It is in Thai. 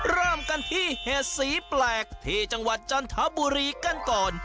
เริ่มกันที่เหตุสีแปลกที่จังหวัดจันทบุรีกันก่อน